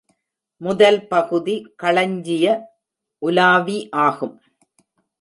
முதல் பகுதி களஞ்சிய உலாவி ஆகும்.